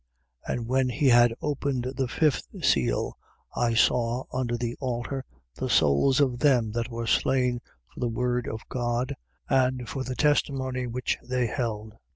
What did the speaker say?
6:9. And when he had opened the fifth seal, I saw under the altar the souls of them that were slain for the word of God and for the testimony which they held.